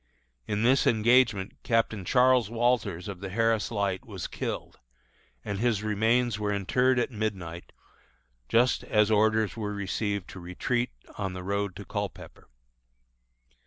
In this engagement Captain Charles Walters, of the Harris Light, was killed, and his remains were interred at midnight just as orders were received to retreat on the road to Culpepper.